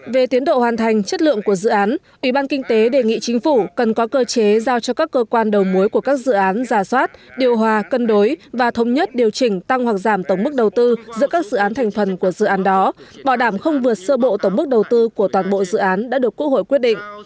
về tiến độ hoàn thành chất lượng của dự án ủy ban kinh tế đề nghị chính phủ cần có cơ chế giao cho các cơ quan đầu mối của các dự án giả soát điều hòa cân đối và thống nhất điều chỉnh tăng hoặc giảm tổng mức đầu tư giữa các dự án thành phần của dự án đó bảo đảm không vượt sơ bộ tổng mức đầu tư của toàn bộ dự án đã được quốc hội quyết định